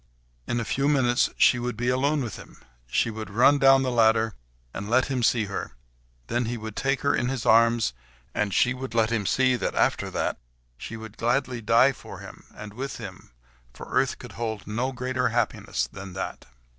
In a few minutes she would be alone with him; she would run down the ladder, and let him see her; then he would take her in his arms, and she would let him see that, after that, she would gladly die for him, and with him, for earth could hold no greater happiness than that.